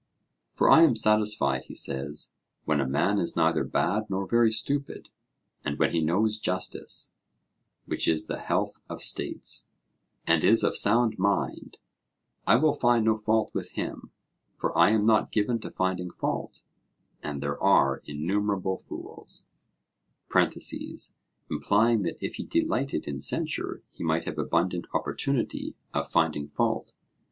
'For I am satisfied' he says, 'when a man is neither bad nor very stupid; and when he knows justice (which is the health of states), and is of sound mind, I will find no fault with him, for I am not given to finding fault, and there are innumerable fools' (implying that if he delighted in censure he might have abundant opportunity of finding fault).